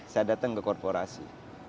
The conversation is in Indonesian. saya datang ke korporasi